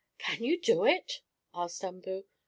"Can you do it?" asked Umboo.